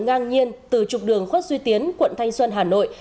ngang nhiên từ trục đường khuất duy tiến quận thanh xuân hà nội